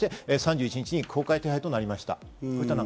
で、３１日に公開手配となりました。